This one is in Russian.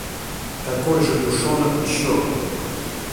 Такой же душонок и щеголь!